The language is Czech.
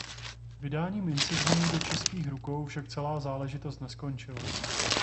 Vydáním insignií do českých rukou však celá záležitost neskončila.